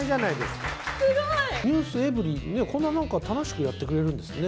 ｎｅｗｓｅｖｅｒｙ．こんななんか楽しくやってくれるんですね。